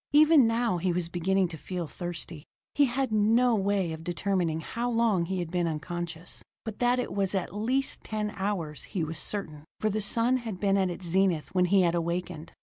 Even now he was beginning to feel thirsty. He had no way of determining how long he had been unconscious, but that it was at least ten hours, he was certain, for the sun had been at its zenith when he had awakened.